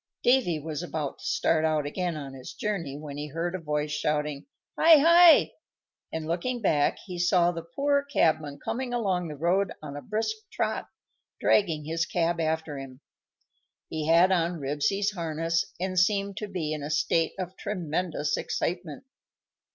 Davy was about to start out again on his journey, when he heard a voice shouting "Hi! Hi!" and, looking back, he saw the poor cabman coming along the road on a brisk trot, dragging his cab after him. He had on Ribsy's harness, and seemed to be in a state of tremendous excitement.